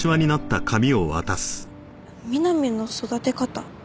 「美波の育て方」